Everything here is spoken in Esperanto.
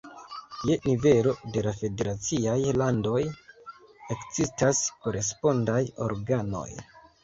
Je nivelo de la federaciaj landoj ekzistas korespondaj organoj.